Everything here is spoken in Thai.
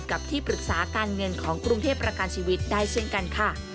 กับที่ปรึกษาการเงินของกรุงเทพประกันชีวิตได้เช่นกันค่ะ